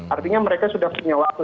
artinya mereka sudah punya waktu